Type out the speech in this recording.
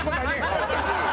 本当に。